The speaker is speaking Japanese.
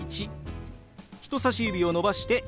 人さし指を伸ばして「１」。